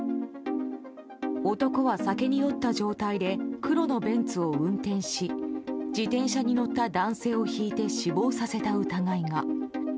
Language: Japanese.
男は酒に酔った状態で黒のベンツを運転し自転車に乗った男性をひいて死亡させた疑いが。